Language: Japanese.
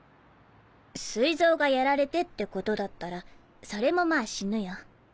膵臓がやられてってことだったらそれもまぁ死ぬよ。